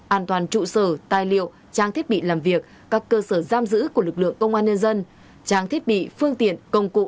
an toàn trụ sở tài liệu trang thiết bị làm việc các cơ sở giam giữ của lực lượng công an nhân dân trang thiết bị phương tiện công cụ